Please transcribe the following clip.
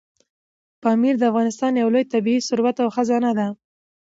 پامیر د افغانستان یو لوی طبعي ثروت او خزانه ده.